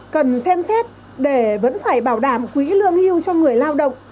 cần xem xét để vẫn phải bảo đảm quỹ lương hưu cho người lao động